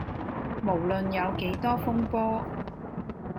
無論有幾多風波